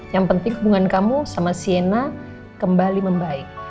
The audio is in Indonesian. yang penting hubungan kamu sama siena kembali membaik